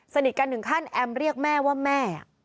สนิทกันถึงขั้นแอมเรียกแม่ว่าแม่